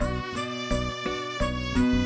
saya sudah berjalan